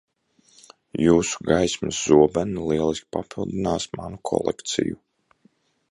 Jūsu gaismas zobeni lieliski papildinās manu kolekciju.